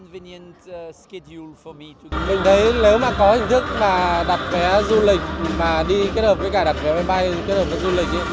mình thấy nếu mà có hình thức mà đặt vé du lịch mà đi kết hợp với cả đặt vé bay kết hợp với du lịch ý